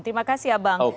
terima kasih ya bang